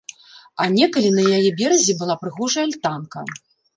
А некалі на яе беразе была прыгожая альтанка.